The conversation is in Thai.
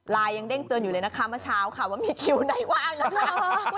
ยังเด้งเตือนอยู่เลยนะคะเมื่อเช้าค่ะว่ามีคิวไหนว่างนะคะ